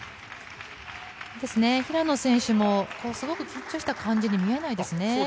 平野選手もすごく緊張した感じには見えないですね。